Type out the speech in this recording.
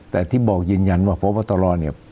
แต่ที่บอกเย็นว่าพบตลอดเนี่ย